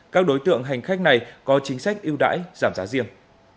các đối tượng hành khách này có chính sách ưu đãi giảm giá riêng